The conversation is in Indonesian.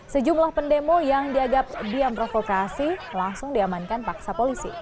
sejumlah pendemo yang dianggap diam provokasi langsung diamankan paksa polisi